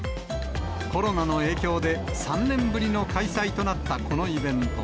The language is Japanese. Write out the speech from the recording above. コロナの影響で３年ぶりの開催となったこのイベント。